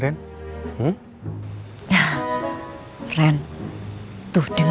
jangan dapat tanpa fungsi